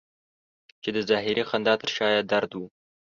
چې د ظاهري خندا تر شا یې درد و.